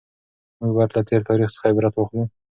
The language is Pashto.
موږ باید له تېر تاریخ څخه عبرت واخلو.